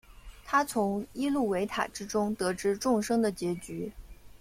他从伊露维塔之中得知众生的结局。